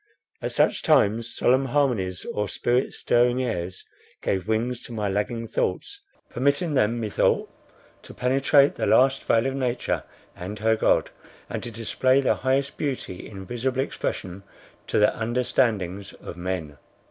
At such times solemn harmonies or spirit stirring airs gave wings to my lagging thoughts, permitting them, methought, to penetrate the last veil of nature and her God, and to display the highest beauty in visible expression to the understandings of men.